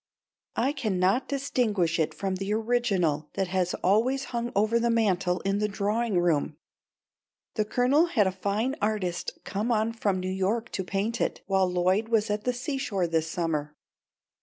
I cannot distinguish it from the original that has always hung over the mantel in the drawing room. The Colonel had a fine artist come on from New York to paint it, while Lloyd was at the seashore this summer.